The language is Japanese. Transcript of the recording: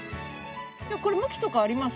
これ向きとかあります？